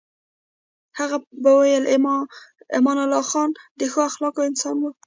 هغې به ویل امان الله خان د ښو اخلاقو انسان و.